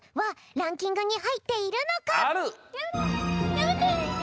やめて！